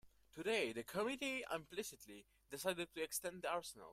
Today the committee implicitly decided to extend the arsenal.